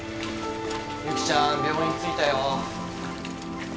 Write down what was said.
ゆきちゃん病院着いたよ。